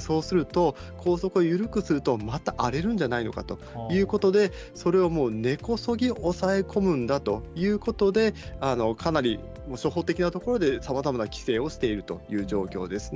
そうすると校則を緩くするとまた荒れるんじゃないかということでそれを根こそぎ抑え込むんだということでかなり初歩的なところでさまざまな規制をしているという状況です。